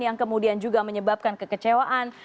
yang kemudian juga menyebabkan kekecewaan